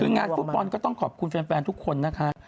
คืองานฟุตบอลก็ต้องขอบคุณแฟนทุกคนนะคะ